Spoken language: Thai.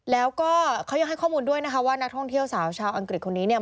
แล้วก็เขายังให้ข้อมูลด้วยนะคะว่านักท่องเที่ยวสาวชาวอังกฤษคนนี้เนี่ย